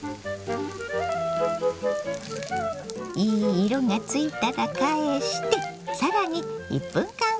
いい色がついたら返して更に１分間ほど焼きます。